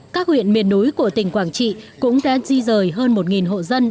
các huyện miền núi của tỉnh quảng trị cũng đã di rời hơn một hộ dân